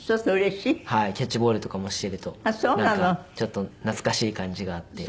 キャッチボールとかもしているとなんかちょっと懐かしい感じがあって。